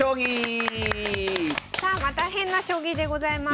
さあまた変な将棋でございます。